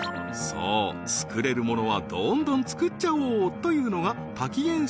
そう作れるものはどんどん作っちゃおうというのがタキゲン